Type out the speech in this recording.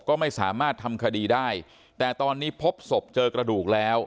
ก็ไม่สามารถทำคดีได้แต่ตอนนี้พบศพเจอกระดูกแล้ว